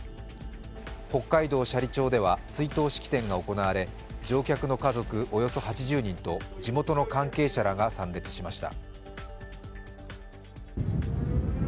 北海道斜里町では追悼式典が行われ乗客の家族におよそ８０人と地元の関係者らが参列しました。